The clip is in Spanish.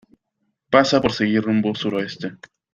pasa por seguir rumbo suroeste.